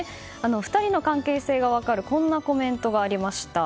２人の関係性が分かるこんなコメントがありました。